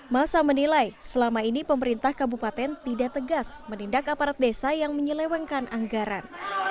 masa menilai selama ini pemerintah kabupaten tidak tegas menindak aparat desa yang menyelewengkan anggaran